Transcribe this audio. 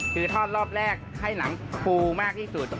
คือทอดรอบแรกให้หนังฟูมากที่สุด